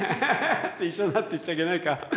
って一緒になって言っちゃいけないか。